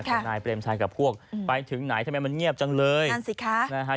นายเปรมชัยกับพวกไปถึงไหนทำไมมันเงียบจังเลยนั่นสิคะนะฮะ